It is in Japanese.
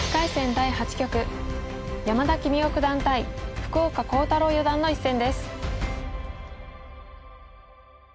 第８局山田規三生九段対福岡航太朗四段の一戦です。